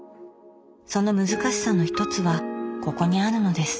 その「難しさ」のひとつはここにあるのです。